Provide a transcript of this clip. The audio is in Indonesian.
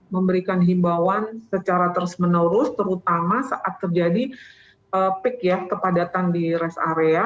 memberikan himbauan secara terus menerus terutama saat terjadi peak ya kepadatan di rest area